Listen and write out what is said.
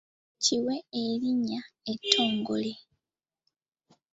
Kiwe erinnya ettongole.